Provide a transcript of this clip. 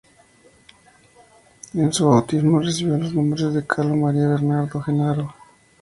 En su bautismo recibió los nombres de "Carlo Maria Bernardo Gennaro".